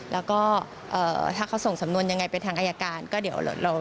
แล้วก็ถ้าเขาส่งสำนวนยังไง